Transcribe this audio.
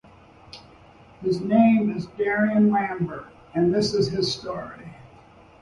His name is Darien Lambert and this is his story.